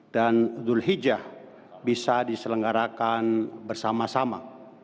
dan dhul hijjah bisa diselenggarakan bersama sama